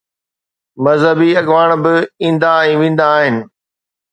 مذهبي اڳواڻ به ايندا ۽ ويندا آهن.